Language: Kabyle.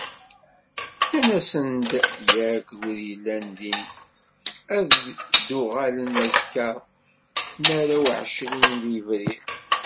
Nnan-asen-d yakk i wid yellan din ad d-uɣalen azekka tmara u εecrin deg yebrir